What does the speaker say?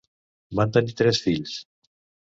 Van tenir tres fills.